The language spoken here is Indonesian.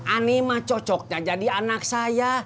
ani mah cocoknya jadi anak saya